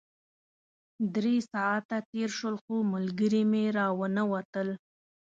درې ساعته تېر شول خو ملګري مې راونه وتل.